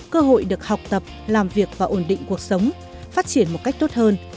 cơ hội được học tập làm việc và ổn định cuộc sống phát triển một cách tốt hơn